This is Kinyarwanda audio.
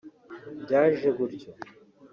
Byaje gutyo